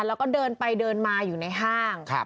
แล้วก็เดินไปเดินมาอยู่ในห้าง